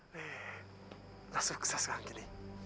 sudah sukses sekarang ini